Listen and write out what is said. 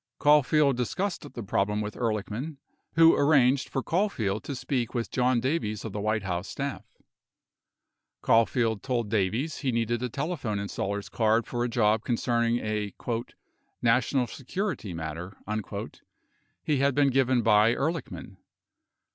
Caulfield dis cussed the problem with Ehrlichman, who arranged for Caulfield to speak with John Davies of the White House staff. 21 Caulfield told Davies he needed a telephone installer's card for a job conce rning a "national security matter" he had been given by Ehrlichman.